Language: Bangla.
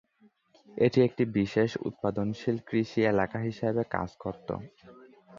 এটি একটি বিশেষ উৎপাদনশীল কৃষি এলাকা হিসেবে কাজ করত।